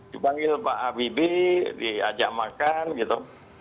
dipanggil pak habibie diajak makan gitu